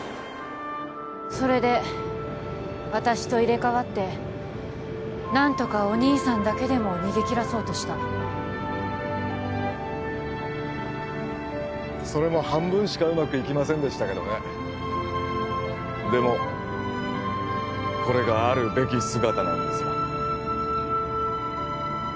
それで私と入れ替わって何とかお兄さんだけでも逃げ切らそうとしたそれも半分しかうまくいきませんでしたけどねでもこれがあるべき姿なんですよ